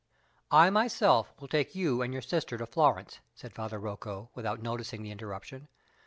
"I myself will take you and your sister to Florence," said Father Rocco, without noticing the interruption.